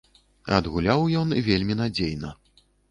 Адгуляў ён вельмі надзейна.